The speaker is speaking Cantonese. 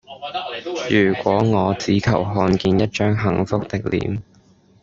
如果我只求看見一張幸福的臉